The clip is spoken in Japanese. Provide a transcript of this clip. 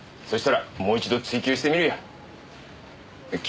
そしたらもう一度追及してみるよ。